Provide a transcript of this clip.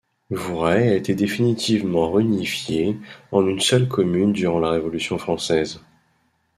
Vourey a été définitivement réunifié en une seule commune durant la Révolution française.